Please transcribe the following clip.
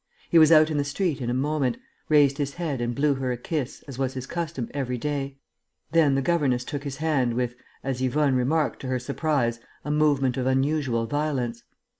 He was out in the street in a moment, raised his head and blew her a kiss, as was his custom every day. Then the governess took his hand with, as Yvonne remarked to her surprise, a movement of unusual violence.